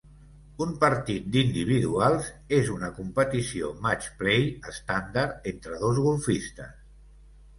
Un partit d'individuals és una competició match play estàndard entre dos golfistes.